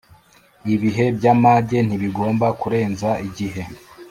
Ibihe by’amage ntibigomba kurenza igihe